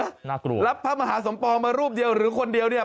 น่ากลัวรับพระมหาสมปองมารูปเดียวหรือคนเดียวเนี่ย